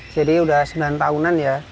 jadi udah sembilan tahunan ya